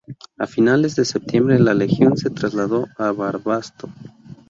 A finales de septiembre la Legión se trasladó a Barbastro.